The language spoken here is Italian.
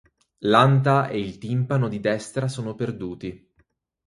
L'anta e il timpano di destra sono perduti.